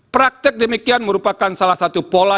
praktek demikian merupakan salah satu pola